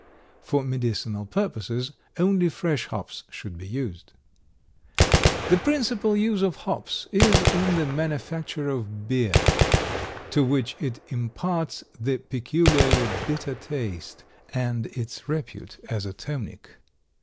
For medicinal purposes only fresh hops should be used. The principal use of hops is in the manufacture of beer, to which it imparts the peculiarly bitter taste, and its repute as a tonic.